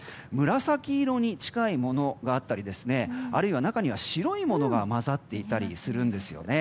紫色に近いものがあったりあるいは中には白いものが混ざっていたりするんですよね。